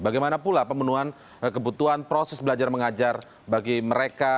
bagaimana pula pemenuhan kebutuhan proses belajar mengajar bagi mereka